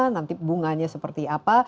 nanti bunganya seperti apa